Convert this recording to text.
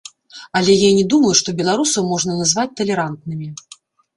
Але я не думаю, што беларусаў можна назваць талерантнымі.